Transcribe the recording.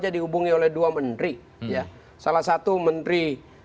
dihubungi oleh dua menteri